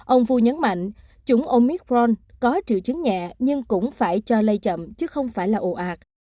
ông phu nhấn mạnh chủng omicron có triệu chứng nhẹ nhưng cũng phải cho lây chậm chứ không phải là ồ ạt